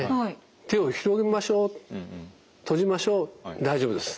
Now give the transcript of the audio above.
手を広げましょう閉じましょう大丈夫です。